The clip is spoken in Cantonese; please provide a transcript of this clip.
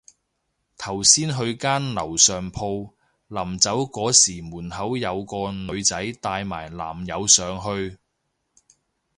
頭先去間樓上鋪，臨走嗰時門口有個女仔帶埋男友上去